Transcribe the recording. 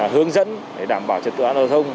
hướng dẫn để đảm bảo trật tựa an toàn thông